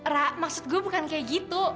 ra maksud gue bukan kayak gitu